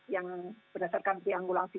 yang berdasarkan triangulasi